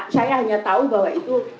saya hanya tahu bahwa itu